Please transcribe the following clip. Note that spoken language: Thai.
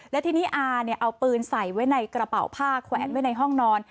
และทีนี้อาเอาปืนใส่ไว้ในกระเป๋าผ้าแขวนไว้ในห้องนอน